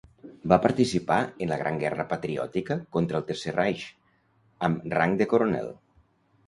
Va participar en la Gran Guerra Patriòtica contra el Tercer Reich, amb rang de coronel.